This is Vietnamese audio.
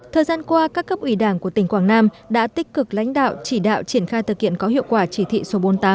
thời gian qua các cấp ủy đảng của tỉnh quảng nam đã tích cực lãnh đạo chỉ đạo triển khai thực hiện có hiệu quả chỉ thị số bốn mươi tám